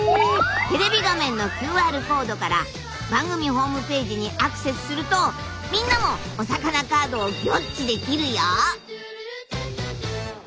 テレビ画面のＱＲコードから番組ホームページにアクセスするとみんなもお魚カードをギョっちできるよ！